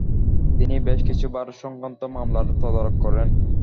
তিনি বেশ কিছু ভারত সংক্রান্ত মামলার তদারক করেন।